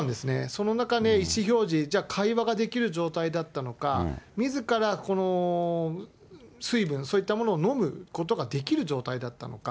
その中に意思表示、じゃあ、会話ができる状態だったのか、みずから水分、そういったものを飲むことができる状態だったのか。